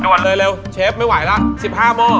วดเลยเร็วเชฟไม่ไหวละ๑๕หม้อ